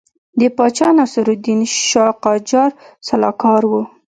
د پاچا ناصرالدین شاه قاجار سلاکار وو.